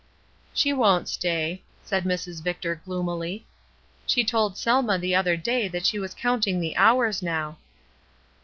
''She won't stay," said Mrs. Victor, gloomily. ''She told Sehna the other day that she was counting the hours now."